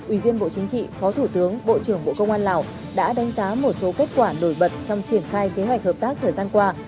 ủy viên bộ chính trị phó thủ tướng bộ trưởng bộ công an lào đã đánh giá một số kết quả nổi bật trong triển khai kế hoạch hợp tác thời gian qua